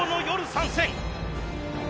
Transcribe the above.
参戦！